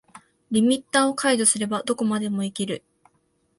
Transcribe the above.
リミッターを解除すればどこまでもいける